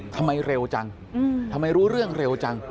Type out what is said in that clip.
ทำไมเร็วจังทำไมรู้เรื่องเร็วจัง